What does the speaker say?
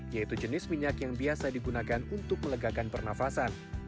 yaitu jenis minyak yang biasa digunakan untuk melegakan pernafasan